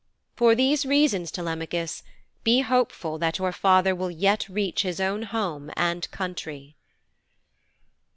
For these reasons, Telemachus, be hopeful that your father will yet reach his own home and country.'